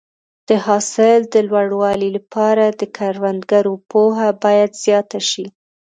د حاصل د لوړوالي لپاره د کروندګرو پوهه باید زیاته شي.